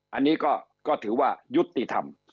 อันนี้ก็ถือว่ายุติธรรม